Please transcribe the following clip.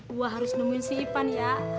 gua harus nemuin si ipan ya